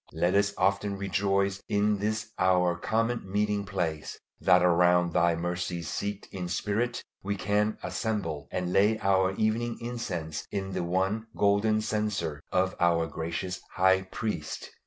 Let us often rejoice in this our common meeting place; that around Thy mercy seat in spirit we can assemble, and lay our evening incense in the one Golden Censer of our gracious High Priest!